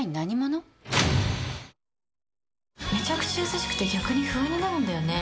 めちゃくちゃ優しくて逆に不安になるんだよね。